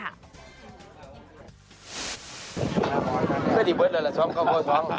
เพื่อนดีเบิ้ลเลยล่ะช้อมโคโฮช้อม